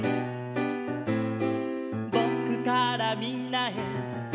「ぼくからみんなへ」